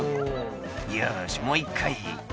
「よしもう一回」